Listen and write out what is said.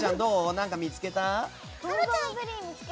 なんか見つけた？